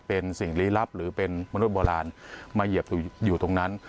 เป็นสิ่งลี้ลับหรือเป็นมนุษย์โบราณมาเหยียบอยู่ตรงนั้น